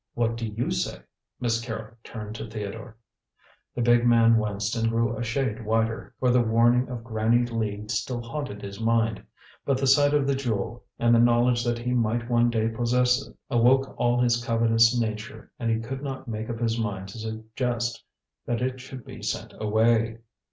"What do you say?" Miss Carrol turned to Theodore. The big man winced and grew a shade whiter, for the warning of Granny Lee still haunted his mind. But the sight of the Jewel, and the knowledge that he might one day possess it, awoke all his covetous nature, and he could not make up his mind to suggest that it should be sent away.